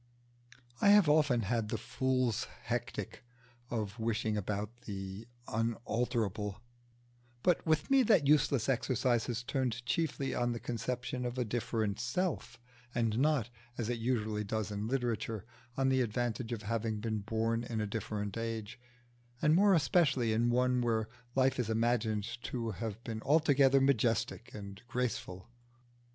I have often had the fool's hectic of wishing about the unalterable, but with me that useless exercise has turned chiefly on the conception of a different self, and not, as it usually does in literature, on the advantage of having been born in a different age, and more especially in one where life is imagined to have been altogether majestic and graceful.